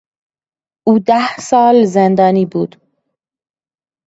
او ده سال زندانی بود.